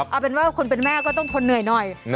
เอาเป็นว่าคนเป็นแม่ก็ต้องทนเหนื่อยหน่อย